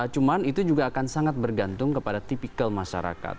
cuma itu juga akan sangat bergantung kepada tipikal masyarakat